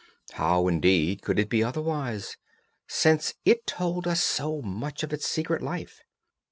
How, indeed, could it be otherwise, since it told us so much of its secret life?